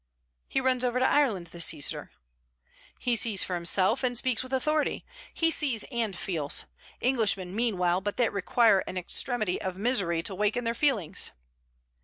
'He runs over to Ireland this Easter.' 'He sees for himself, and speaks with authority. He sees and feels. Englishmen mean well, but they require an extremity of misery to waken their feelings.'